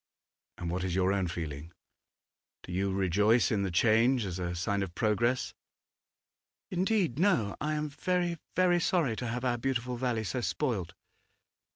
'And what is your own feeling? Do you rejoice in the change as a sign of progress?' 'Indeed, no. I am very, very sorry to have our beautiful valley so spoilt.